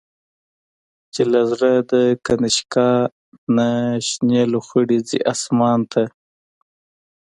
چی له زړه د”کنشکا”نه، شنی لو خړی ځی آسمان ته